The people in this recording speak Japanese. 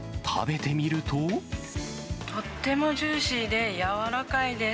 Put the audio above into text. とってもジューシーで、柔らかいです。